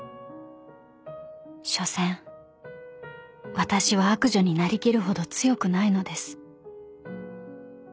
［しょせん私は悪女に成りきるほど強くないのです］